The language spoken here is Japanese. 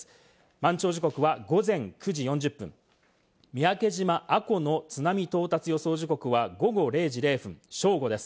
満潮時刻は午前９時４０分、三宅島阿古の津波到達予想時刻は午後０時０分、正午です。